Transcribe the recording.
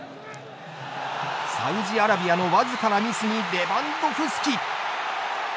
サウジアラビアのわずかなミスにレバンドフスキ。